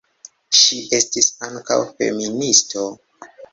Ŝi estis ankaŭ feministo.